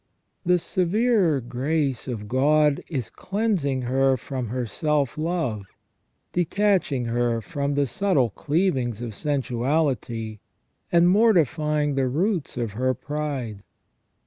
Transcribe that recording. The severer grace of God is cleansing her from her self love, detaching her from the subtle cleavings of sensuality, and mortifying the roots of her pride.